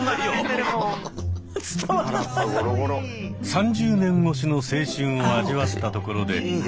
３０年越しの青春を味わったところで。